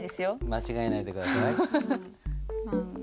間違えないで下さい。